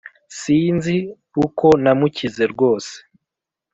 Sinzi uko namukize rwose